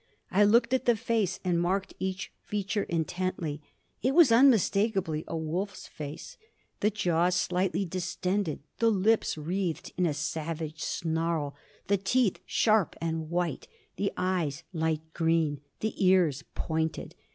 I looked at the face and marked each feature intently. It was unmistakably a wolf's face, the jaws slightly distended; the lips wreathed in a savage snarl; the teeth sharp and white; the eyes light green; the ears pointed.